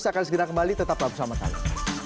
saya kalis gita kembali tetap bersama sama